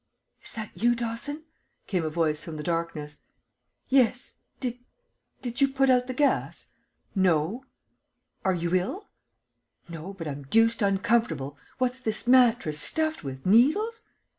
"Is that you, Dawson?" came a voice from the darkness. "Yes. Did did you put out the gas?" "No." "Are you ill?" "No; but I'm deuced uncomfortable What's this mattress stuffed with needles?"